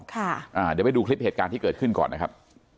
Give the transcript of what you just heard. เดี๋ยวไปดูคลิปเหตุการณ์ที่เกิดขึ้นก่อนนะครับ